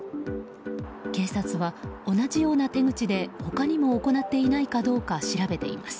警察は同じような手口で他にも行っていないかどうか調べています。